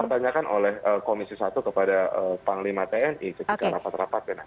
itu yang harus dipertanyakan oleh komisi satu kepada panglima tni ketika rapat rapatnya